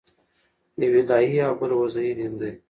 یو الهي او بل وضعي دین دئ.